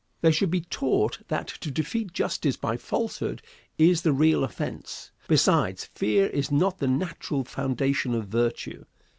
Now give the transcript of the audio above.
They should be taught that to defeat justice by falsehood is the real offence. Besides, fear is not the natural foundation of virtue.